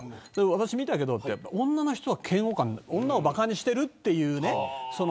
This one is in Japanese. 私、見てきたけど女の人は嫌悪感女をばかにしてるっていうね。